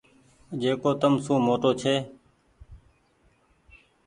جيڪو تم سون موٽو ڇي ۔